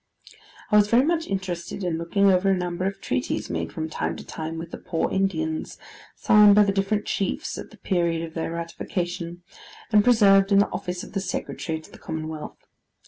I was very much interested in looking over a number of treaties made from time to time with the poor Indians, signed by the different chiefs at the period of their ratification, and preserved in the office of the Secretary to the Commonwealth.